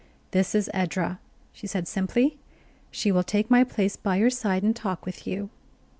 "This is Edra," she said simply. "She will take my place by your side and talk with you."